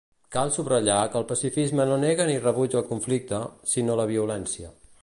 Cal subratllar que el pacifisme no nega ni rebutja el conflicte, sinó la violència.